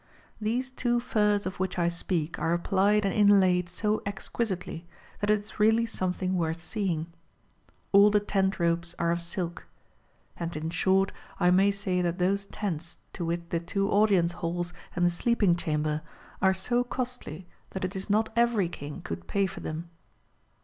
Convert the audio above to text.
^ These two furs of which I speak are applied and inlaid so exquisitely, that it is really something worth seeing. All the tent ropes are of silk. And in short I may say that those tents, to wit the two audience halls and the sleeping chamber, are so costly that it is not every king could pay for them.